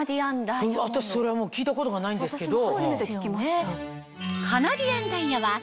私それは聞いたことがないんですけど。